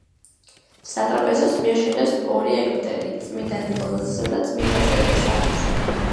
სატრაპეზოს მიაშენეს ორი ეგვტერი: წმინდა ნიკოლოზისა და წმინდა სერგის სახელზე.